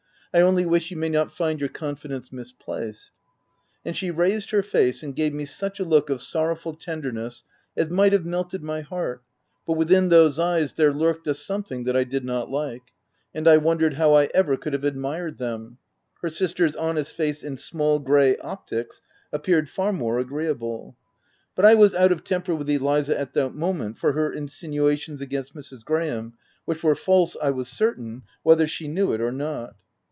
— I only wish you may not find your confidence misplaced." And she raised her face, and gave me such a look of sorrowful tenderness as might have melted my heart, but within those eyes there lurked a something that I did not like ; and I wondered how I ever could have admired them : her sister's honest face and small grey optics appeared far more agreeable ;— but I was out of temper with Eliza, at that moment, for her insinuations against Mrs. Graham— which were false, I was certain, whether she knew it or not.